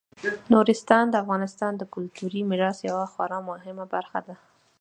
نورستان د افغانستان د کلتوري میراث یوه خورا مهمه برخه ده.